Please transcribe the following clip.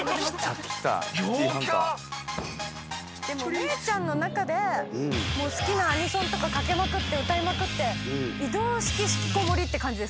めーちゃんの中で好きなアニソンとかかけまくって歌いまくって移動式引きこもりって感じですね。